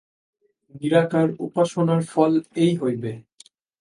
নিরাকার উপাসনার ফল এই হইবে।